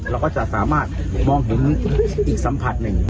เราก็จะสามารถมองเห็นอีกสัมผัสหนึ่ง